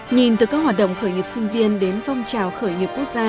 nhìn từ các hoạt động khởi nghiệp sinh viên đến phong trào khởi nghiệp quốc gia